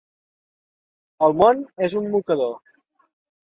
El món és un mocador.